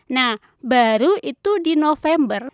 nah baru itu di november